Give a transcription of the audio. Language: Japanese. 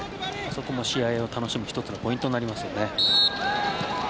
そこも試合を楽しむ１つのポイントになりますよね。